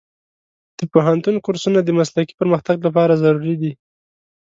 د پوهنتون کورسونه د مسلکي پرمختګ لپاره ضروري دي.